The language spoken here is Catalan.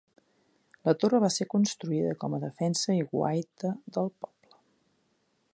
La torre va ser construïda com a defensa i guaita del poble.